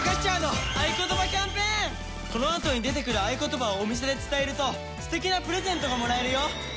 このあとに出てくる合言葉をお店で伝えると素敵なプレゼントがもらえるよ！